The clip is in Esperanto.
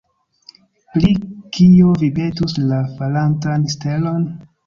Pri kio vi petus la falantan stelon?